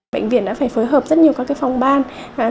bệnh viện đã phải phối hợp rất nhiều các phòng ban